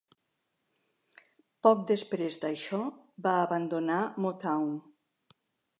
Poc després d'això va abandonar Motown.